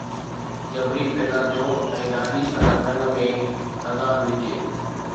جبري پيدا ٿيو ۽ ڏاڏي سندس ڪن ۾ اذان وجھي